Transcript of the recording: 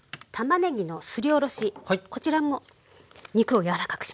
こちらも肉を柔らかくします。